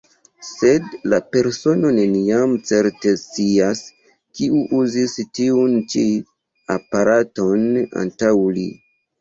Sed la persono neniam certe scias, kiu uzis tiun ĉi aparaton antaŭ li.